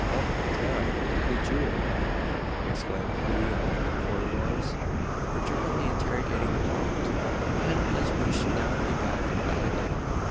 "Och, Tara, me jewel!" exclaimed he in the corduroys, fraternally interrogating the hound; "hadn't yez weesh now to be back in Ballyballagh?